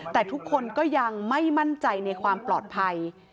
แต่ทุกคนก็ยังไม่มั่นใจในความปลอดภัย